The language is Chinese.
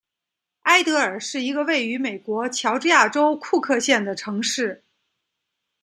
艾得尔是一个位于美国乔治亚州库克县的城市。